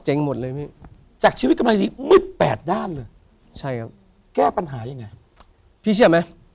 เจ๊งหมดเลยพี่จากชีวิตกำไรนี้มืด๘ด้านเลย